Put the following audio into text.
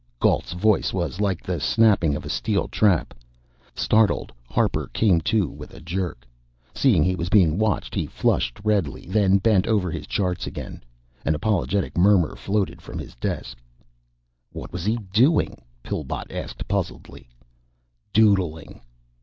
Gault's voice was like the snapping of a steel trap. Startled, Harper came to with a jerk. Seeing he was being watched, he flushed redly, then bent over his charts again. An apologetic murmur floated from his desk. "What was he doing?" Pillbot asked puzzledly. "Doodling!"